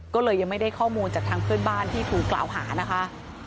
ก็เลยยังไม่ได้ข้อมูลจากทางเพื่อนบ้านที่ถูกกล่าวหานะคะ